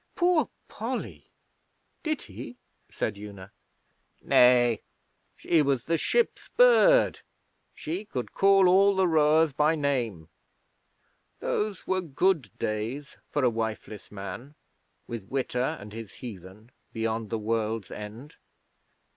'Poor Polly! Did he?' said Una. 'Nay. She was the ship's bird. She could call all the rowers by name.... Those were good days for a wifeless man with Witta and his heathen beyond the world's end.